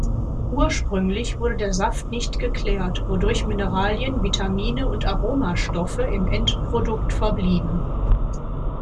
Ursprünglich wurde der Saft nicht geklärt, wodurch Mineralien, Vitamine und Aromastoffe im Endprodukt verblieben.